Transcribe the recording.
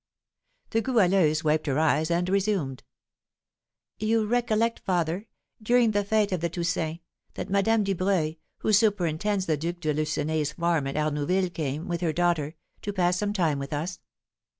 The Goualeuse wiped her eyes, and resumed: "You recollect, father, during the fêtes of the Toussaints, that Madame Dubreuil, who superintends the Duke de Lucenay's farm at Arnouville, came, with her daughter, to pass some time with us?"